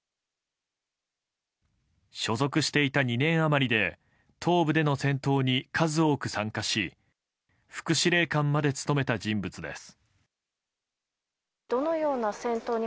所属していた２年余りで東部での戦闘に数多く参加し副司令官まで務めた人物です。